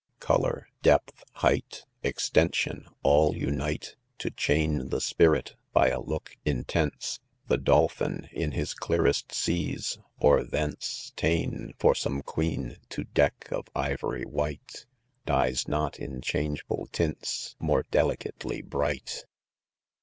' Colour, depth, height, extension — all unite To chain the spirit by a look intense !■— The dolphin, in his clearest seas — or thence 'Xa'en, for some queen, to deck of ivory white, Dies not 3 in changeful tints, more' "delicately 'bright.